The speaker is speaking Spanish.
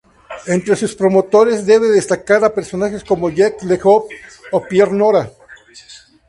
Entre sus promotores cabe destacar a personajes como Jacques Le Goff o Pierre Nora.